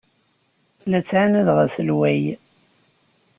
La ttɛanadeɣ aselway.